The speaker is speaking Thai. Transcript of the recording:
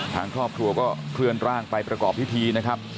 ทางครอบครัวก็เคลื่อนร่างไปประกอบพิธีนะครับ